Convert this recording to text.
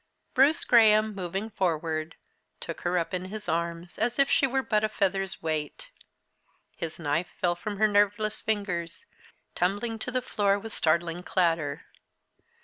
Bruce Graham, moving forward, took her up in his arms, as if she were but a feather's weight. His knife fell from her nerveless fingers, tumbling to the floor with startling clatter.